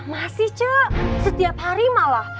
masih cek setiap hari malah